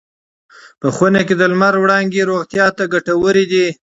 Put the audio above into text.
په خونه کې د لمر وړانګې روغتیا ته ګټورې دي.